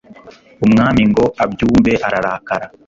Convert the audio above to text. umwami ngo abyumve ararakara